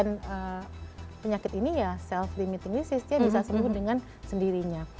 nah penyakit ini ya self limiting disease dia bisa sembuh dengan sendirinya